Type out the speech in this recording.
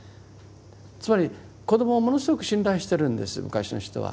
つまり子どもをものすごく信頼してるんです昔の人は。